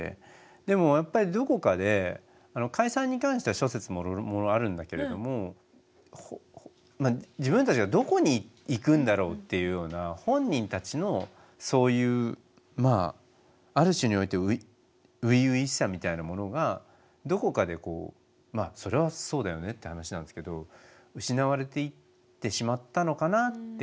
でもやっぱりどこかで解散に関しては諸説もろもろあるんだけれども自分たちがどこにいくんだろうっていうような本人たちのそういうある種において初々しさみたいなものがどこかでそれはそうだよねって話なんですけど失われていってしまったのかなっていう。